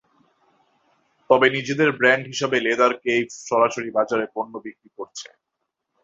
তবে নিজেদের ব্র্যান্ড হিসেবে লেদার কেইভ সরাসরি বাজারে পণ্য বিক্রি করছে।